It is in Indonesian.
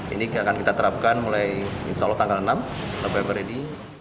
ini akan kita terapkan mulai insya allah tanggal enam november ini